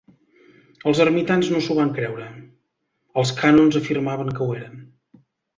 Els ermitans no s'ho van creure; els cànons afirmaven que ho eren.